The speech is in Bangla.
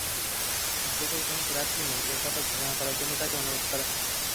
জোটের কোনো প্রার্থী নেই—এ কথা ঘোষণা করার জন্য তাঁকে অনুরোধ করেন।